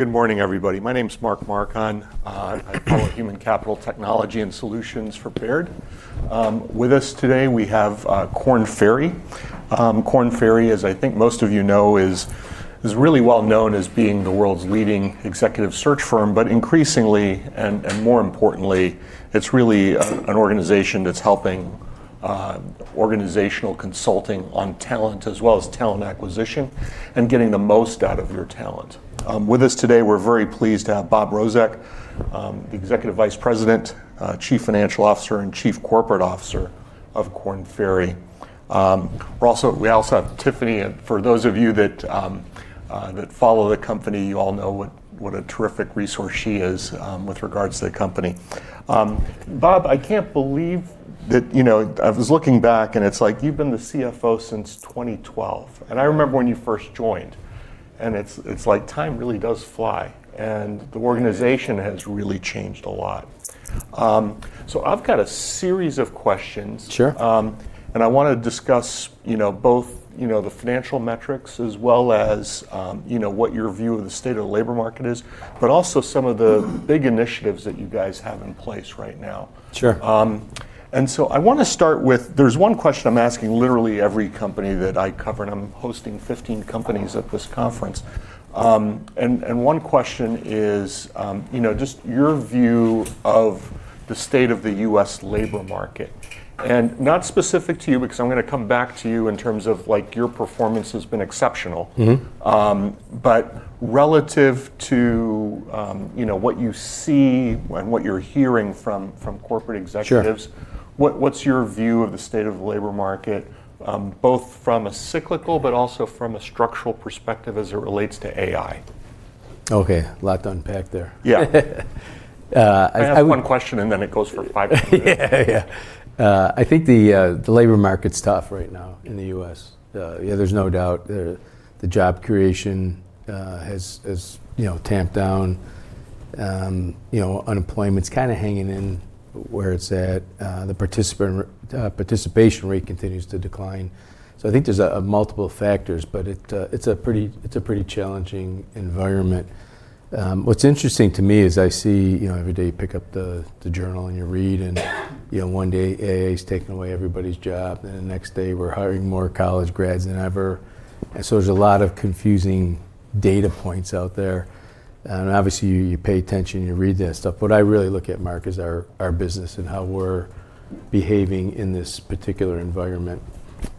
Good morning, everybody. My name's Mark Marcon. I cover human capital technology and solutions for Baird. With us today, we have Korn Ferry. Korn Ferry, as I think most of you know, is really well known as being the world's leading executive search firm, but increasingly, and more importantly, it's really an organization that's helping organizational consulting on talent as well as talent acquisition and getting the most out of your talent. With us today, we're very pleased to have Robert Rozek, the Executive Vice President, Chief Financial Officer, and Chief Corporate Officer of Korn Ferry. We also have Tiffany, and for those of you that follow the company, you all know what a terrific resource she is with regards to the company. Robert, I can't believe that I was looking back, and it's like you've been the CFO since 2012, and I remember when you first joined, and it's like time really does fly, and the organization has really changed a lot. I've got a series of questions. Sure. I want to discuss both the financial metrics as well as what your view of the state of the labor market is, but also some of the big initiatives that you guys have in place right now. Sure. I want to start with, there's one question I'm asking literally every company that I cover, and I'm hosting 15 companies at this conference. One question is just your view of the state of the U.S. labor market. Not specific to you because I'm going to come back to you in terms of your performance has been exceptional. Relative to what you see and what you're hearing from corporate executives. Sure. What's your view of the state of the labor market, both from a cyclical but also from a structural perspective as it relates to AI? Okay. A lot to unpack there. Yeah. I ask one question, and then it goes for five minutes. I think the labor market's tough right now in the U.S. There's no doubt. The job creation has tamped down. Unemployment's kind of hanging in where it's at. The participation rate continues to decline. I think there's multiple factors, but it's a pretty challenging environment. What's interesting to me is I see, every day, you pick up the journal, and you read, and one day, AI's taking away everybody's job, and the next day, we're hiring more college grads than ever. There's a lot of confusing data points out there, and obviously, you pay attention, you read that stuff. What I really look at, Mark, is our business and how we're behaving in this particular environment.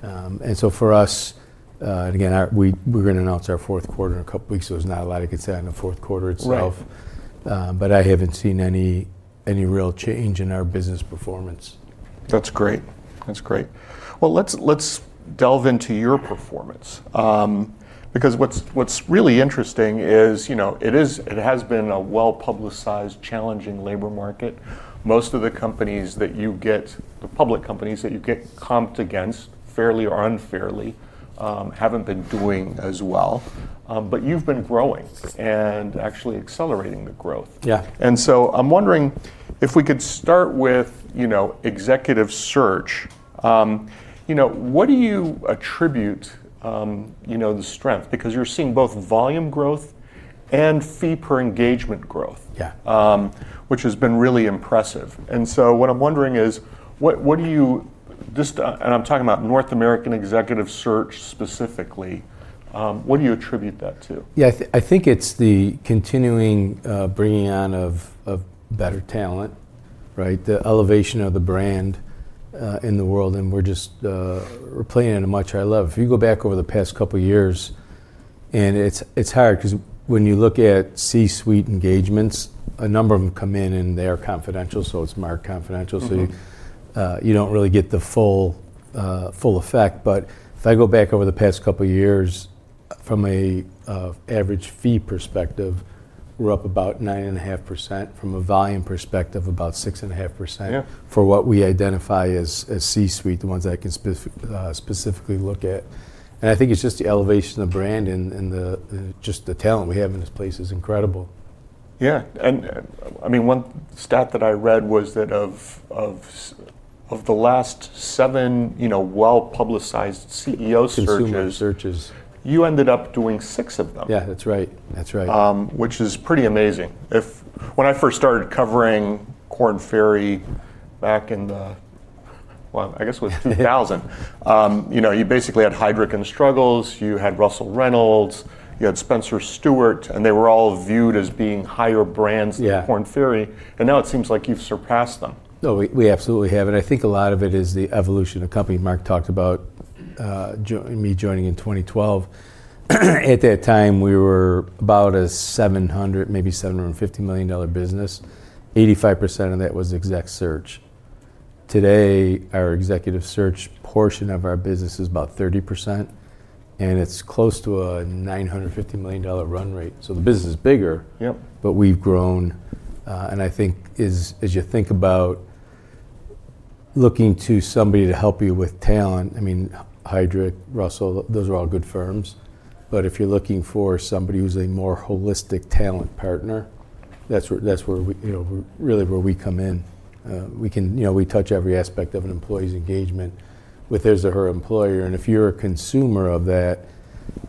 For us, and again, we're going to announce our fourth quarter in a couple of weeks, so there's not a lot I could say on the fourth quarter itself. Right. I haven't seen any real change in our business performance. That's great. Well, let's delve into your performance. What's really interesting is it has been a well-publicized, challenging labor market. Most of the public companies that you get comped against, fairly or unfairly, haven't been doing as well. You've been growing and actually accelerating the growth. Yeah. I'm wondering if we could start with executive search. What do you attribute the strength? Because you're seeing both volume growth and fee per engagement growth. Yeah. Which has been really impressive. What I'm wondering is, what do you, and I'm talking about North American executive search specifically, what do you attribute that to? Yeah, I think it's the continuing bringing on of better talent, right? The elevation of the brand in the world, we're just playing in a market I love. If you go back over the past couple of years, and it's hard because when you look at C-suite engagements, a number of them come in, and they are confidential, so it's marked confidential. You don't really get the full effect. If I go back over the past couple of years from an average fee perspective, we're up about 9.5%, from a volume perspective, about 6.5%. Yeah. For what we identify as C-suite, the ones I can specifically look at. I think it's just the elevation of brand, and just the talent we have in this place is incredible. Yeah. One stat that I read was that of the last seven well-publicized CEO searches. CEO searches. You ended up doing six of them. Yeah. That's right. Which is pretty amazing. When I first started covering Korn Ferry back in the Well, I guess it was 2000. You basically had Heidrick & Struggles, you had Russell Reynolds, you had Spencer Stuart, and they were all viewed as being higher brands than. Yeah. Korn Ferry, now it seems like you've surpassed them. No, we absolutely have, and I think a lot of it is the evolution of company. Mark talked about me joining in 2012. At that time, we were about a $700, maybe $750 million business. 85% of that was exec search. Today, our executive search portion of our business is about 30%, and it's close to a $950 million run rate. The business is bigger. Yep. We've grown. I think as you think about looking to somebody to help you with talent, Heidrick, Russell, those are all good firms, but if you're looking for somebody who's a more holistic talent partner. That's really where we come in. We touch every aspect of an employee's engagement with his or her employer, and if you're a consumer of that,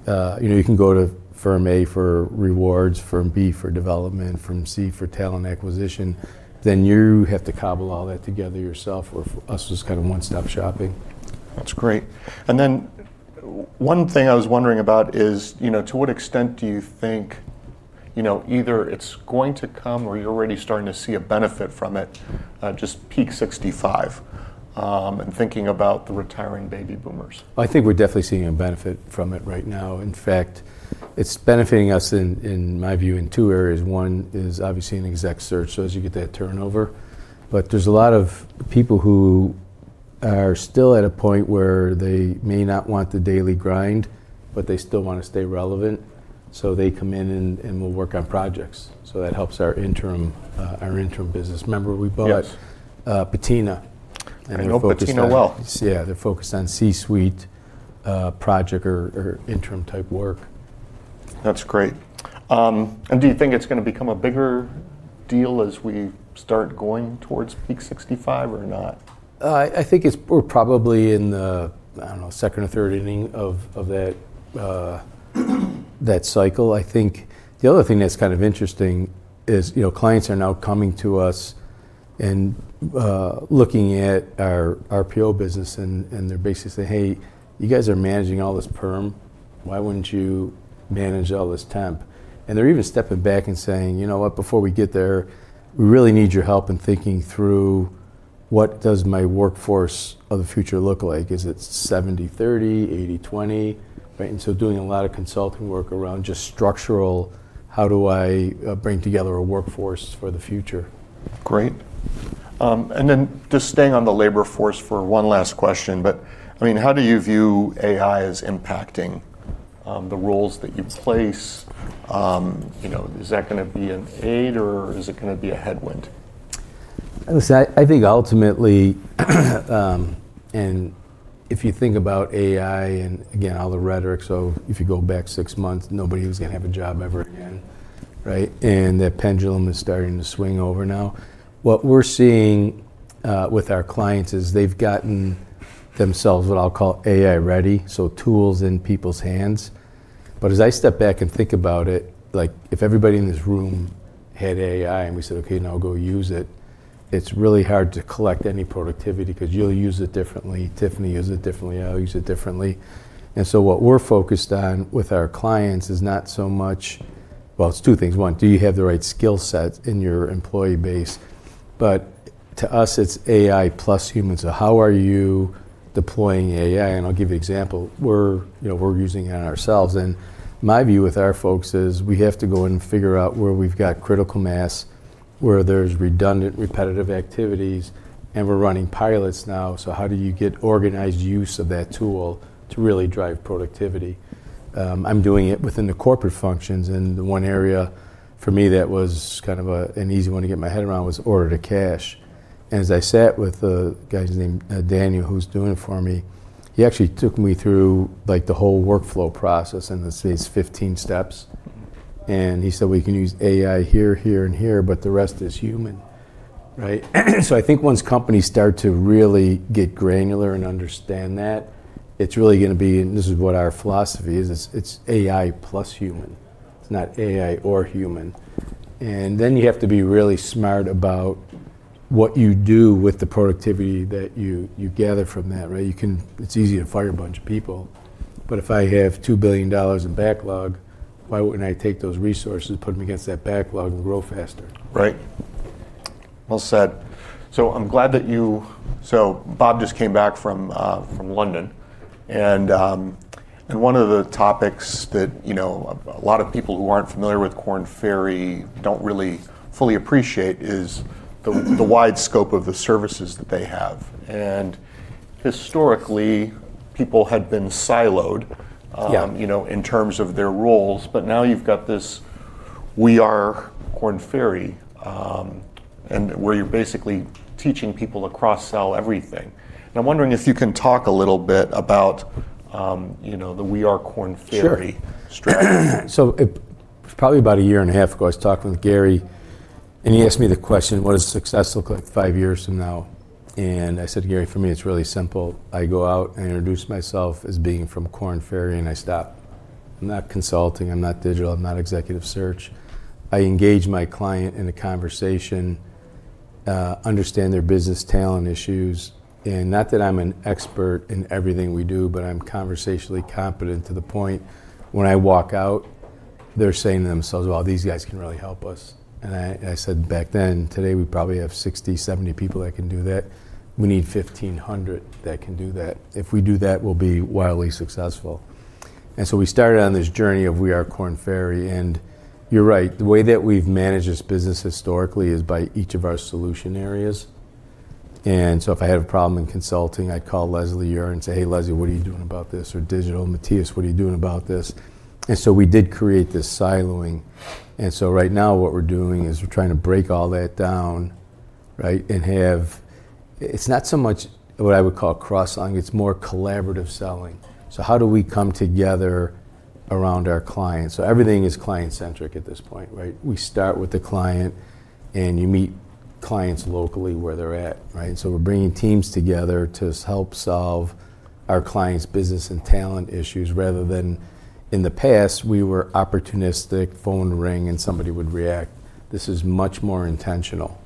you can go to firm A for rewards, firm B for development, firm C for talent acquisition, then you have to cobble all that together yourself, with us as kind of one-stop shopping. That's great. Then one thing I was wondering about is, to what extent do you think either it's going to come or you're already starting to see a benefit from it, just Peak 65, and thinking about the retiring baby boomers? I think we're definitely seeing a benefit from it right now. In fact, it's benefiting us, in my view, in two areas. One is obviously in exec search, so as you get that turnover. There's a lot of people who are still at a point where they may not want the daily grind, but they still want to stay relevant, so they come in and will work on projects. That helps our interim business. Remember we bought. Yes Patina. I know Patina well. yeah, they're focused on C-suite project or interim type work. That's great. Do you think it's going to become a bigger deal as we start going towards Peak 65 or not? I think we're probably in the, I don't know, second or third inning of that cycle. I think the other thing that's kind of interesting is clients are now coming to us and looking at our RPO business and they're basically saying, "Hey, you guys are managing all this perm, why wouldn't you manage all this temp?" They're even stepping back and saying, "You know what? Before we get there, we really need your help in thinking through what does my workforce of the future look like. Is it 70/30? 80/20?" Right? So doing a lot of consulting work around just structural how do I bring together a workforce for the future. Great. Just staying on the labor force for one last question, but how do you view AI as impacting the roles that you place? Is that going to be an aid or is it going to be a headwind? I think ultimately, if you think about AI, again, all the rhetoric, if you go back six months, nobody was going to have a job ever again, right? That pendulum is starting to swing over now. What we're seeing with our clients is they've gotten themselves what I'll call AI-ready, tools in people's hands. As I step back and think about it, if everybody in this room had AI and we said, "Okay, now go use it," it's really hard to collect any productivity because you'll use it differently, Tiffany uses it differently, I'll use it differently. What we're focused on with our clients is not so much, it's two things. One, do you have the right skill sets in your employee base? To us, it's AI+ humans. How are you deploying AI? I'll give you example. We're using it ourselves, and my view with our folks is we have to go and figure out where we've got critical mass, where there's redundant, repetitive activities, and we're running pilots now. How do you get organized use of that tool to really drive productivity? I'm doing it within the corporate functions, and the one area for me that was kind of an easy one to get my head around was order to cash. As I sat with a guy, his name Daniel, who's doing it for me, he actually took me through the whole workflow process into say it's 15 steps. He said we can use AI here, and here, but the rest is human. Right? I think once companies start to really get granular and understand that, it's really going to be, and this is what our philosophy is, it's AI+ human, it's not AI or human. Then you have to be really smart about what you do with the productivity that you gather from that, right? It's easy to fire a bunch of people. If I have $2 billion in backlog, why wouldn't I take those resources, put them against that backlog, and grow faster? Right. Well said. Bob just came back from London, and one of the topics that a lot of people who aren't familiar with Korn Ferry don't really fully appreciate is the wide scope of the services that they have. Historically, people had been siloed. Yeah. In terms of their roles, but now you've got this We Are Korn Ferry, where you're basically teaching people to cross-sell everything. And I'm wondering if you can talk a little bit about the We Are Korn Ferry? Sure. Strategy. It was probably about a year and a half ago, I was talking with Gary, and he asked me the question, "What does success look like five years from now?" I said, "Gary, for me, it's really simple. I go out and introduce myself as being from Korn Ferry and I stop. I'm not consulting, I'm not digital, I'm not executive search. I engage my client in a conversation, understand their business talent issues, and not that I'm an expert in everything we do, but I'm conversationally competent to the point when I walk out, they're saying to themselves, 'Well, these guys can really help us.'" I said back then, "Today we probably have 60, 70 people that can do that. We need 1,500 that can do that. If we do that, we'll be wildly successful." We started on this journey of We Are Korn Ferry, and you're right, the way that we've managed this business historically is by each of our solution areas. If I had a problem in consulting, I'd call Lesley Uren and say, "Hey, Lesley, what are you doing about this?" Digital, "Mathias, what are you doing about this?" We did create this siloing. Right now what we're doing is we're trying to break all that down, right? It's not so much what I would call cross-selling, it's more collaborative selling. How do we come together around our clients? Everything is client-centric at this point, right? We start with the client, and you meet clients locally where they're at, right? We're bringing teams together to help solve our clients' business and talent issues, rather than in the past, we were opportunistic, phone would ring, and somebody would react. This is much more intentional,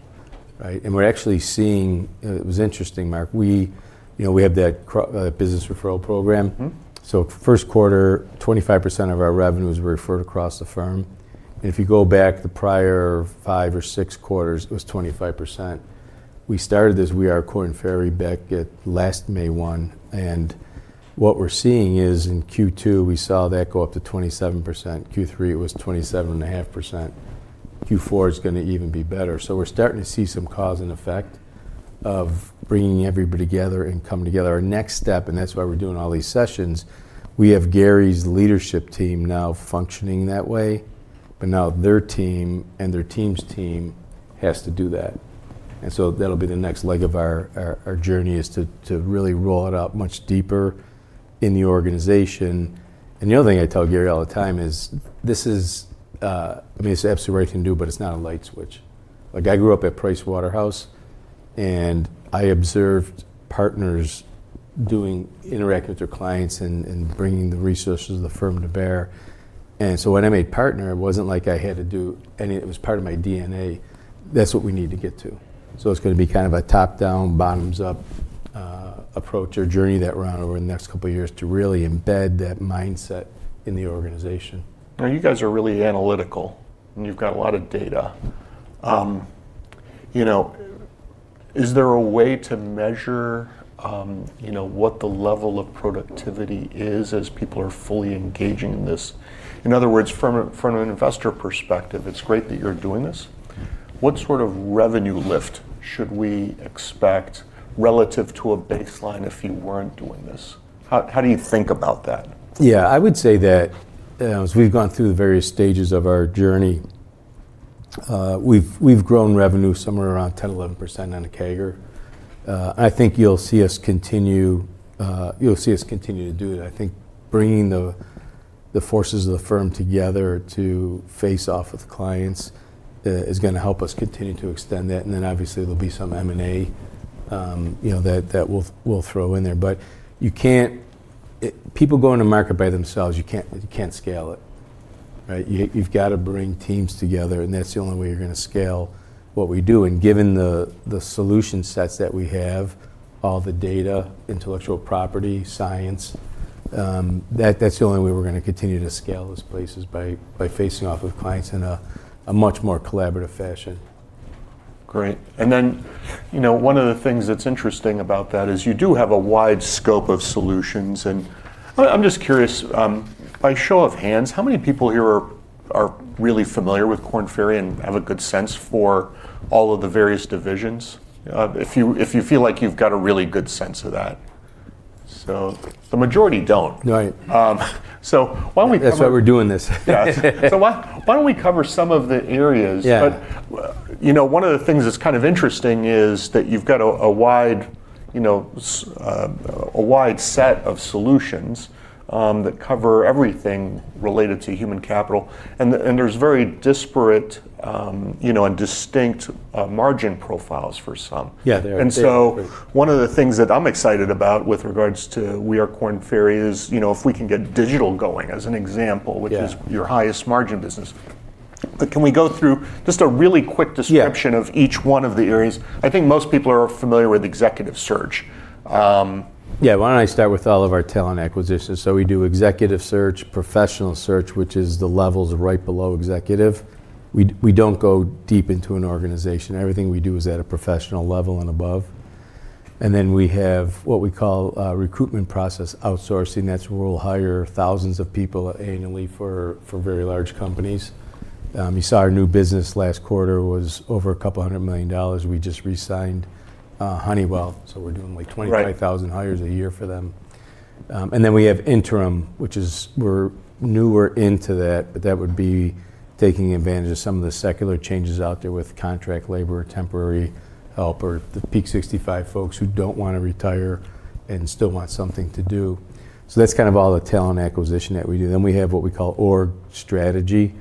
right? It was interesting, Mark, we have that business referral program. First quarter, 25% of our revenues were referred across the firm. If you go back the prior five or six quarters, it was 25%. We started this We Are Korn Ferry back at last May 1, and what we're seeing is in Q2, we saw that go up to 27%. Q3 it was 27.5%. Q4 is going to even be better. We're starting to see some cause and effect of bringing everybody together and coming together. Our next step, and that's why we're doing all these sessions, we have Gary's leadership team now functioning that way, but now their team and their team's team has to do that. That'll be the next leg of our journey, is to really roll it out much deeper in the organization. The other thing I tell Gary all the time is, this is absolutely right to do, but it's not a light switch. I grew up at Pricewaterhouse, and I observed partners interacting with their clients and bringing the resources of the firm to bear. When I made partner, it was part of my DNA. That's what we need to get to. It's going to be kind of a top-down, bottoms-up approach or journey that we're on over the next couple of years to really embed that mindset in the organization. You guys are really analytical, and you've got a lot of data. Is there a way to measure what the level of productivity is as people are fully engaging in this? In other words, from an investor perspective, it's great that you're doing this. What sort of revenue lift should we expect relative to a baseline if you weren't doing this? How do you think about that? Yeah, I would say that as we've gone through the various stages of our journey, we've grown revenue somewhere around 10, 11% on a CAGR. I think you'll see us continue to do it. I think bringing the forces of the firm together to face off with clients is going to help us continue to extend that. Obviously, there'll be some M&A that we'll throw in there. People go into market by themselves, you can't scale it. Right? You've got to bring teams together, and that's the only way you're going to scale what we do. Given the solution sets that we have, all the data, intellectual property, science, that's the only way we're going to continue to scale this place, is by facing off with clients in a much more collaborative fashion. Great. One of the things that's interesting about that is you do have a wide scope of solutions, and I'm just curious, by show of hands, how many people here are really familiar with Korn Ferry and have a good sense for all of the various divisions? If you feel like you've got a really good sense of that. The majority don't. Right. So why don't we- That's why we're doing this. Yeah. Why don't we cover some of the areas? Yeah. One of the things that's kind of interesting is that you've got a wide set of solutions that cover everything related to human capital. There's very disparate and distinct margin profiles for some. Yeah, there is. One of the things that I'm excited about with regards to We Are Korn Ferry is, if we can get digital going, as an example. Yeah. Which is your highest margin business. Can we go through just a really quick description. Yeah. Of each one of the areas? I think most people are familiar with executive search. Yeah. Why don't I start with all of our talent acquisition? We do executive search, professional search, which is the levels right below executive. We don't go deep into an organization. Everything we do is at a professional level and above. We have what we call recruitment process outsourcing. That's where we'll hire thousands of people annually for very large companies. You saw our new business last quarter was over a couple of hundred million dollars. We just re-signed Honeywell; we're doing like 25,000 hires a year for them. We have interim, which is we're newer into that, but that would be taking advantage of some of the secular changes out there with contract labor, temporary help, or the Peak 65 folks who don't want to retire and still want something to do. That's kind of all the talent acquisition that we do. We have what we call org strategy,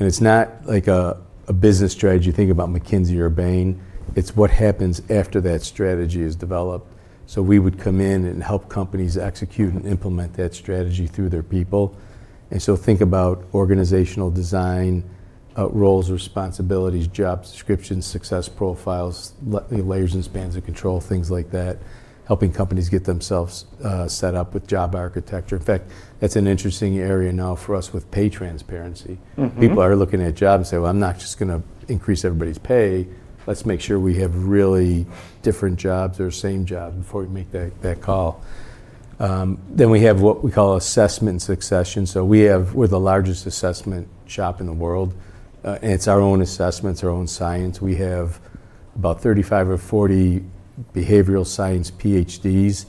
and it's not like a business strategy, you think about McKinsey or Bain. It's what happens after that strategy is developed. We would come in and help companies execute and implement that strategy through their people. Think about organizational design, roles, responsibilities, job descriptions, success profiles, layers and spans of control, things like that. Helping companies get themselves set up with job architecture. In fact, that's an interesting area now for us with pay transparency. People are looking at jobs and say, "Well, I'm not just going to increase everybody's pay. Let's make sure we have really different jobs or same job before we make that call." We have what we call assessment and succession. We're the largest assessment shop in the world. It's our own assessments, our own science. We have about 35 or 40 behavioral science PhDs.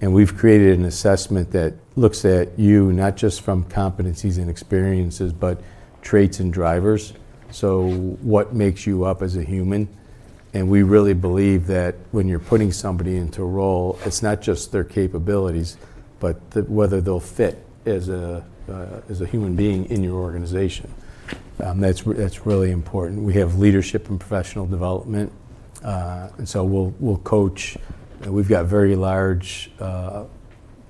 We've created an assessment that looks at you not just from competencies and experiences, but traits and drivers. What makes you up as a human? We really believe that when you're putting somebody into a role, it's not just their capabilities, but whether they'll fit as a human being in your organization. That's really important. We have leadership and professional development. We'll coach. We've got very large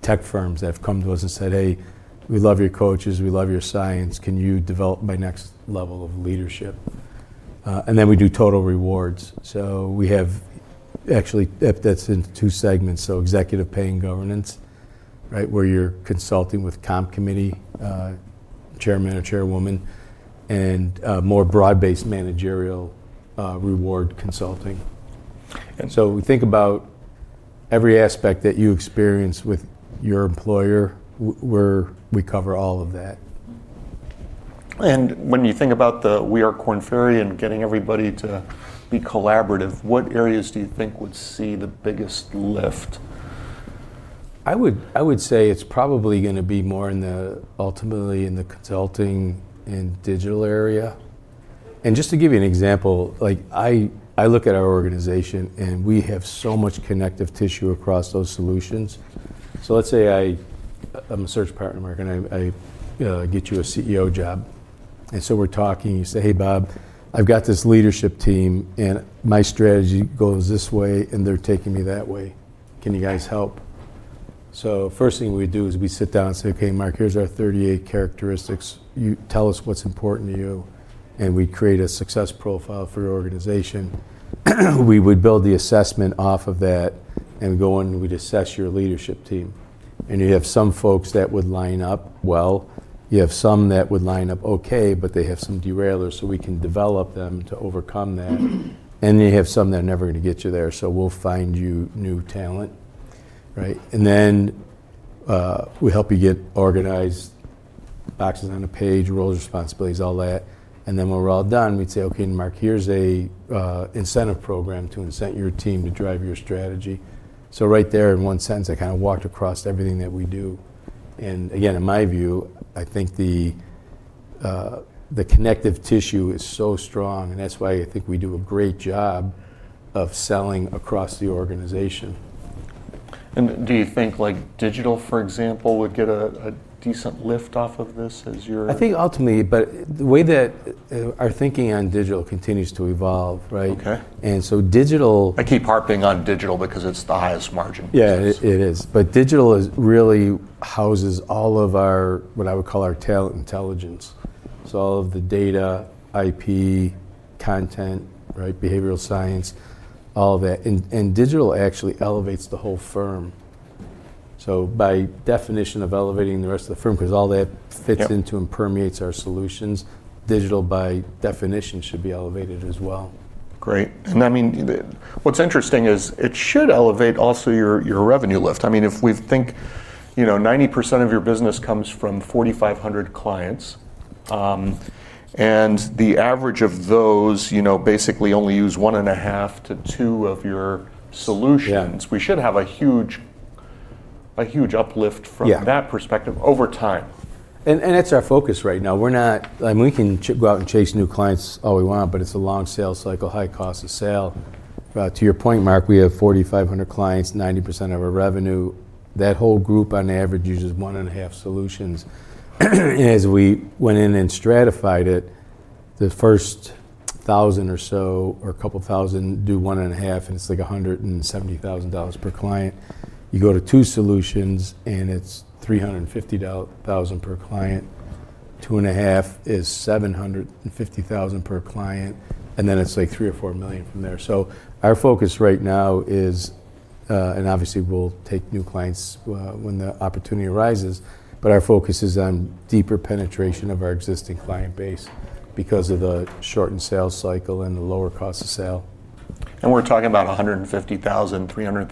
tech firms that have come to us and said, "Hey, we love your coaches, we love your science. Can you develop my next level of leadership?" Then we do Total Rewards. We have actually, that's in two segments, executive pay and governance, right, where you're consulting with comp committee chairman or chairwoman, and more broad-based managerial reward consulting. We think about every aspect that you experience with your employer. We cover all of that. When you think about the We Are Korn Ferry and getting everybody to be collaborative, what areas do you think would see the biggest lift? I would say it's probably going to be more ultimately in the consulting and digital area. Just to give you an example, I look at our organization, and we have so much connective tissue across those solutions. Let's say I'm a search partner, Mark, and I get you a CEO job. We're talking, and you say, "Hey, Bob, I've got this leadership team, and my strategy goes this way, and they're taking me that way. Can you guys help?" First thing we do is we sit down and say, "Okay, Mark, here's our 38 characteristics. You tell us what's important to you," and we create a success profile for your organization. We would build the assessment off of that and go in, and we'd assess your leadership team, and you have some folks that would line up well. You have some that would line up okay, but they have some derailers, so we can develop them to overcome that. Then you have some that are never going to get you there, so we'll find you new talent, right? Then we help you get organized, boxes on a page, roles, responsibilities, all that. Then when we're all done, we'd say, "Okay, Mark, here's a incentive program to incent your team to drive your strategy." Right there, in one sense, I kind of walked across everything that we do. Again, in my view, I think the connective tissue is so strong, and that's why I think we do a great job of selling across the organization. Do you think digital, for example, would get a decent lift off of this as your? I think ultimately, the way that our thinking on digital continues to evolve, right? Okay. Digital- I keep harping on digital because it's the highest margin. Yeah, it is. Digital really houses all of our, what I would call our talent intelligence. All of the data, IP, content, right, behavioral science, all that. Digital actually elevates the whole firm. By definition of elevating the rest of the firm, because all that fits into. Yep. Permeates our solutions, digital by definition should be elevated as well. Great. What's interesting is it should elevate also your revenue lift. If we think 90% of your business comes from 4,500 clients, and the average of those basically only use one and a half to two of your solutions. Yeah. We should have a huge uplift. Yeah. From that perspective over time. That's our focus right now. We can go out and chase new clients all we want, but it's a long sales cycle, high cost of sale. To your point, Mark, we have 4,500 clients, 90% of our revenue. That whole group on average uses one and a half solutions. We went in and stratified it, the first 1,000 or so or 2,000 do one and a half, and it's like $170,000 per client. You go to two solutions, and it's $350,000 per client. Two and a half is $750,000 per client, and then it's like $3 million or $4 million from there. Our focus right now is, and obviously we'll take new clients when the opportunity arises, but our focus is on deeper penetration of our existing client base because of the shortened sales cycle and the lower cost of sale. We're talking about $150,000, $300,000,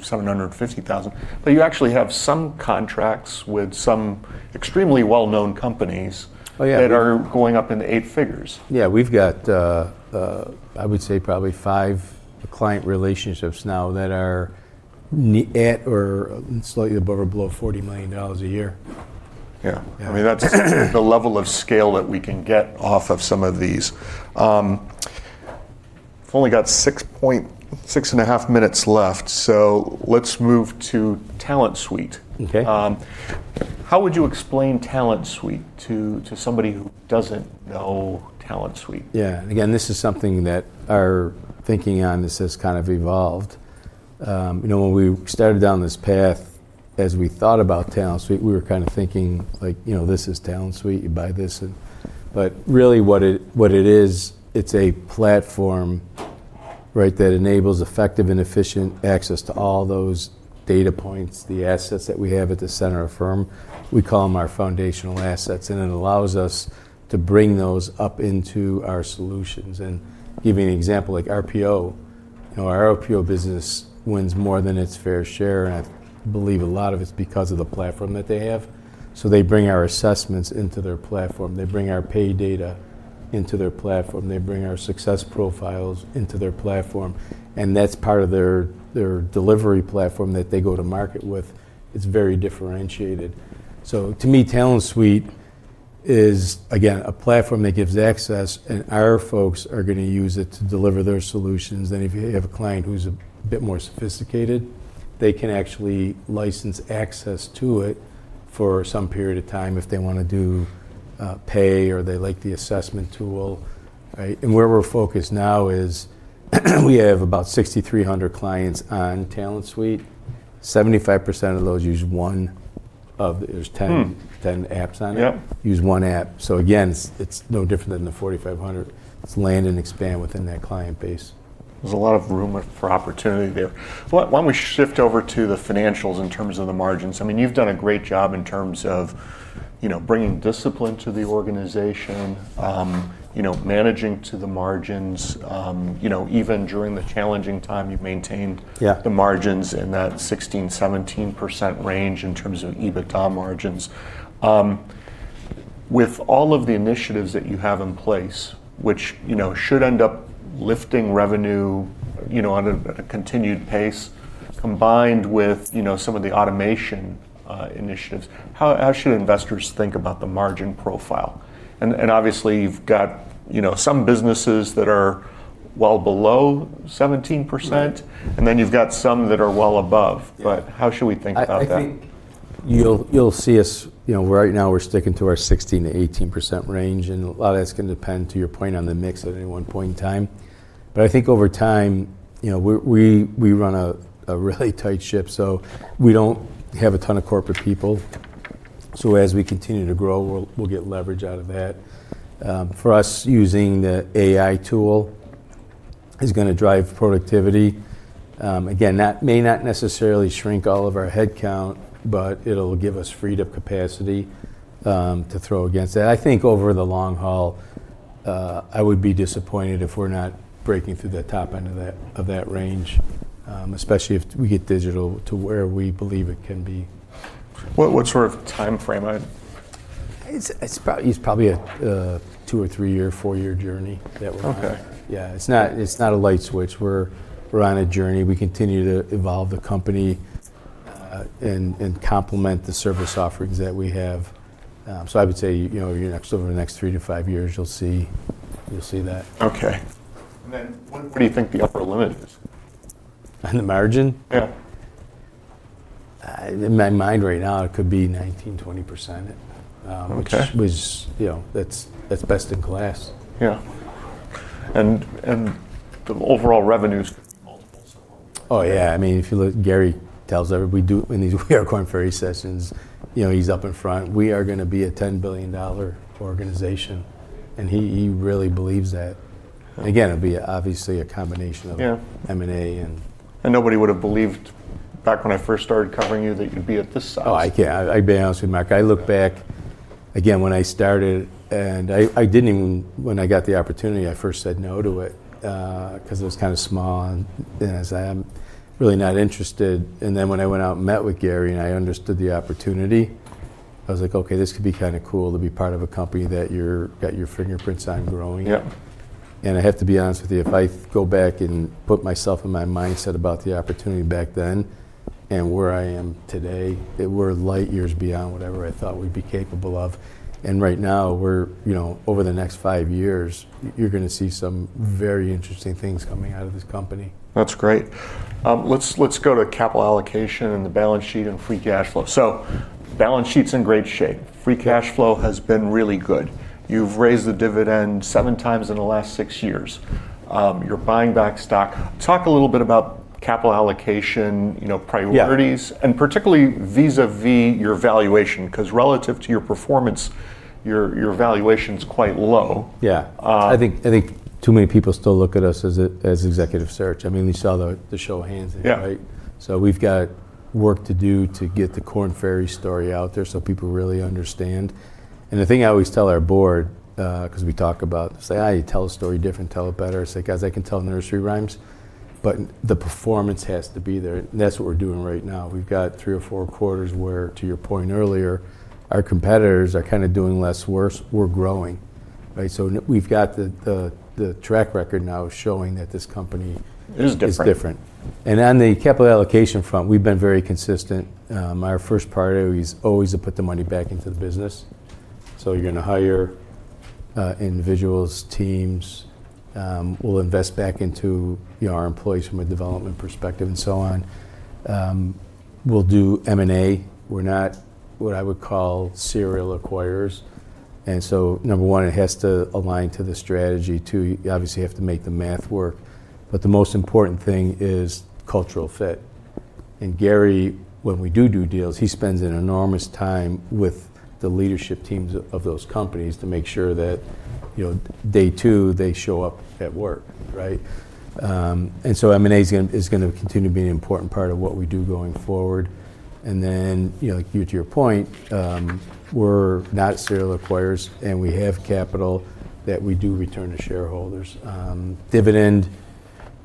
$750,000. You actually have some contracts with some extremely well-known companies. Oh, yeah. That are going up into eight figures. We've got, I would say probably five client relationships now that are at or slightly above or below $40 million a year. Yeah. Yeah. That's the level of scale that we can get off of some of these. We've only got 6.5 minutes left. Let's move to Talent Suite. Okay. How would you explain Talent Suite to somebody who doesn't know Talent Suite? Yeah. Again, this is something that our thinking on this has kind of evolved. When we started down this path, as we thought about Talent Suite, we were kind of thinking like, this is Talent Suite, you buy this. Really what it is, it's a platform, right, that enables effective and efficient access to all those data points, the assets that we have at the center of firm. We call them our foundational assets, and it allows us to bring those up into our solutions. Giving you an example, like RPO. Our RPO business wins more than its fair share, and I believe a lot of it's because of the platform that they have. They bring our assessments into their platform. They bring our pay data into their platform. They bring our success profiles into their platform, and that's part of their delivery platform that they go to market with. It's very differentiated. To me, Talent Suite is, again, a platform that gives access, and our folks are going to use it to deliver their solutions. If you have a client who's a bit more sophisticated, they can actually license access to it for some period of time if they want to do pay or they like the assessment tool. Right? Where we're focused now is we have about 6,300 clients on Talent Suite, 75% of those use. There's 10 apps on it. Yep. Use one app. Again, it's no different than the 4,500. It's land and expand within that client base. There's a lot of room for opportunity there. Why don't we shift over to the financials in terms of the margins? You've done a great job in terms of bringing discipline to the organization, managing to the margins. Even during the challenging time, you've maintained. Yeah. The margins in that 16%-17% range in terms of EBITDA margins. With all of the initiatives that you have in place, which should end up lifting revenue on a continued pace, combined with some of the automation initiatives, how should investors think about the margin profile? Obviously you've got some businesses that are well below 17%. Right. You've got some that are well above. Yeah. How should we think about that? I think you'll see us. Right now we're sticking to our 16%-18% range, and a lot of that's going to depend, to your point, on the mix at any one point in time. I think over time, we run a really tight ship, so we don't have a ton of corporate people. As we continue to grow, we'll get leverage out of that. For us, using the AI tool is going to drive productivity. Again, that may not necessarily shrink all of our headcount, but it'll give us freed up capacity to throw against that. I think over the long haul, I would be disappointed if we're not breaking through the top end of that range, especially if we get digital to where we believe it can be. What sort of timeframe? It's probably a two or three year, four-year journey that we're on. Okay. Yeah, it's not a light switch. We're on a journey. We continue to evolve the company, and complement the service offerings that we have. I would say, over the next three to five years, you'll see that. Okay. Then what do you think the upper limit is? On the margin? Yeah. In my mind right now, it could be 19%, 20%. Okay. That's best in class. Yeah. The overall revenue multiples. Oh, yeah. If you look, Gary tells. We are going for these sessions. He's up in front. We are going to be a $10 billion organization, and he really believes that. Again, it'll be obviously a combination of- Yeah. M&A and- Nobody would've believed back when I first started covering you that you'd be at this size. Oh, yeah. I'll be honest with you, Mark, I look back, again, when I started. When I got the opportunity, I first said no to it, because it was kind of small, and I said, "I'm really not interested." Then when I went out and met with Gary and I understood the opportunity, I was like, "Okay, this could be kind of cool to be part of a company that you got your fingerprints on growing. Yep. I have to be honest with you, if I go back and put myself in my mindset about the opportunity back then and where I am today, we're light years beyond whatever I thought we'd be capable of. Right now we're, over the next five years, you're going to see some very interesting things coming out of this company. That's great. Let's go to capital allocation and the balance sheet and free cash flow. Balance sheet's in great shape. Free cash flow has been really good. You've raised the dividend 7x in the last six years. You're buying back stock. Talk a little bit about capital allocation, priorities. Yeah. Particularly vis-a-vis your valuation. Because relative to your performance, your valuation's quite low. Yeah. I think too many people still look at us as executive search. You saw the show of hands there, right? Yeah. We've got work to do to get the Korn Ferry story out there so people really understand. The thing I always tell our board, because we talk about, "You tell a story different, tell it better." I say, "Guys, I can tell nursery rhymes, but the performance has to be there." That's what we're doing right now. We've got three or four quarters where, to your point earlier, our competitors are doing less worse. We're growing. Right? We've got the track record now showing that this company- Is different. Is different. On the capital allocation front, we've been very consistent. Our first priority is always to put the money back into the business. You're going to hire individuals, teams. We'll invest back into our employees from a development perspective and so on. We'll do M&A. We're not what I would call serial acquirers. Number one, it has to align to the strategy. Two, you obviously have to make the math work. The most important thing is cultural fit. Gary, when we do deals, he spends an enormous time with the leadership teams of those companies to make sure that day two, they show up at work, right? M&A is going to continue to be an important part of what we do going forward. Like you, to your point, we're not serial acquirers, and we have capital that we do return to shareholders. Dividend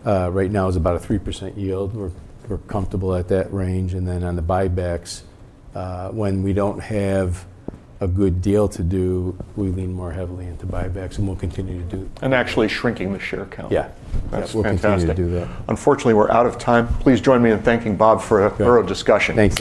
right now is about a 3% yield. We're comfortable at that range. On the buybacks, when we don't have a good deal to do, we lean more heavily into buybacks, and we'll continue to do. Actually shrinking the share count. Yeah. That's fantastic. We'll continue to do that. Unfortunately, we're out of time. Please join me in thanking Bob for a thorough discussion. Thanks.